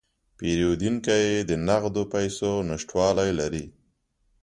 پیرودونکی د نغدو پیسو نشتوالی لري.